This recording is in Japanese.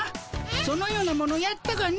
そのようなものやったかの？